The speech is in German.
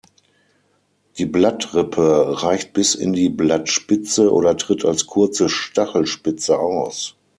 Die Blattrippe reicht bis in die Blattspitze oder tritt als kurze Stachelspitze aus.